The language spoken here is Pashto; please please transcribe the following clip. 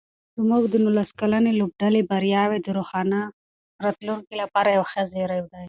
زموږ د نولس کلنې لوبډلې بریاوې د روښانه راتلونکي یو ښه زېری دی.